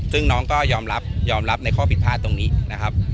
ซึ่งน้องก็ยอมรับในข้อผิดพลาดตรงนี้